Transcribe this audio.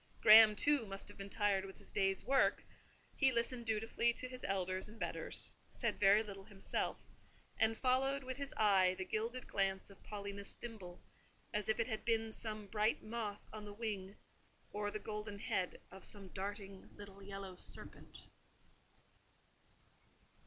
Graham, too, must have been tired with his day's work: he listened dutifully to his elders and betters, said very little himself, and followed with his eye the gilded glance of Paulina's thimble; as if it had been some bright moth on the wing, or the golden head of some darting little yellow serpent.